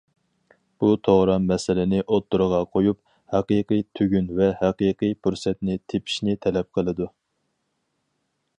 بۇ توغرا مەسىلىنى ئوتتۇرىغا قويۇپ، ھەقىقىي تۈگۈن ۋە ھەقىقىي پۇرسەتنى تېپىشنى تەلەپ قىلىدۇ.